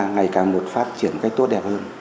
ngày càng được phát triển một cách tốt đẹp hơn